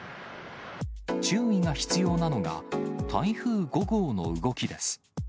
注意が必要なのが台風５号の動きです。